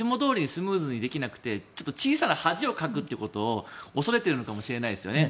スムーズにできなくて小さな恥をかくということを恐れているかもしれないですよね。